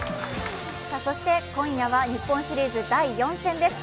今夜は日本シリーズ第４戦です。